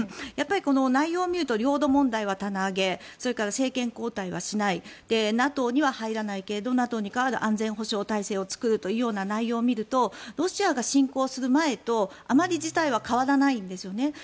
やっぱり内容を見ると領土問題は棚上げそれから政権交代はしないＮＡＴＯには入らないけれどＮＡＴＯに代わる安全保障体制を作るという内容を見るとロシアが侵攻する前とあまり事態は変わらないんですよね。